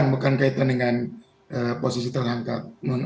ini akan kaitkan dengan posisi terangkat